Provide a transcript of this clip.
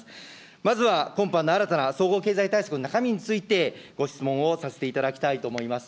まずは今般の新たな総合経済対策の中身について、ご質問をさせていただきたいと思います。